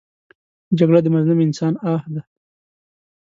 جګړه د مظلوم انسان آه دی